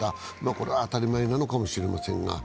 これは当たり前なのかもしれませんが。